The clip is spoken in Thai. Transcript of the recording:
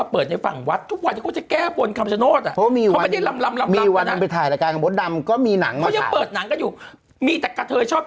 เปิดหนังก็อยู่มีแต่เกธยชอบ